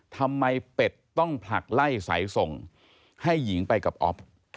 ทำไมปล็ดต้องผลักไล่สายทรงให้หญิงไปกับออฟ